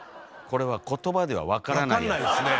これは言葉では分からないです。